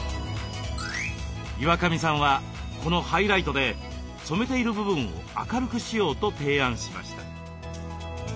岩上さんはこのハイライトで染めている部分を明るくしようと提案しました。